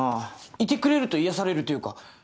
いてくれると癒やされるというか。